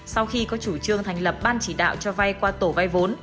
sau khi có chủ trương thành lập ban chỉ đạo cho vay qua tổ vay vốn